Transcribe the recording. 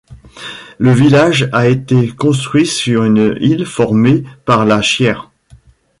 Le village a été construit sur une île formée par la Chiers.